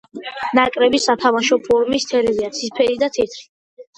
ნაკრების სათამაშო ფორმის ფერებია ცისფერი და თეთრი.